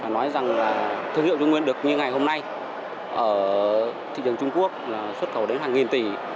nói rằng là thương hiệu trung nguyên được như ngày hôm nay ở thị trường trung quốc là xuất khẩu đến hàng nghìn tỷ